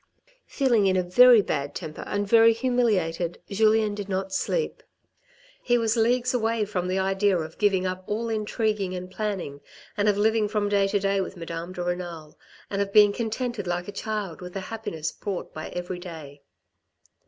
Feeling in a very bad temper and very humiliated, Julien did not sleep. He was leagues away from the idea of giving up all intriguing and planning, and of living from day to day with Madame de Renal, and of being contented like a child with the happiness brought by every day.